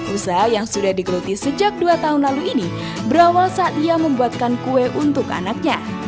usaha yang sudah digeluti sejak dua tahun lalu ini berawal saat ia membuatkan kue untuk anaknya